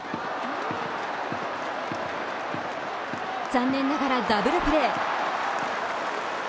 残念ながらダブルプレー。